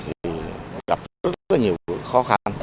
thì gặp rất là nhiều khó khăn